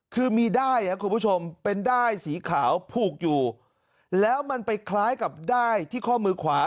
คือมีด้ายกลุ่มเป็นได้สีขาวพูกอยู่แล้วมันไปคล้ายกับด้ายที่ข้อมือขวา